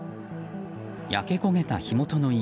焼け焦げた火元の家。